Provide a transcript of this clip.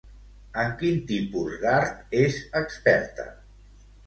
En quin tipus d'art és experta?